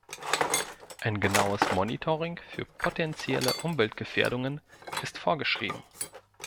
Ein genaues Monitoring für potenzielle Umweltgefährdungen ist vorgeschrieben.